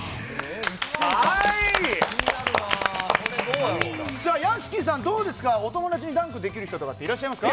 はい、さあ、屋敷さん、どうですか、お友達にダンクできる人はいらっしゃいますか？